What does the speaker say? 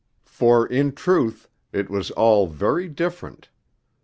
For, in truth, it was all very different.